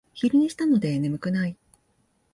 昼寝したので眠くない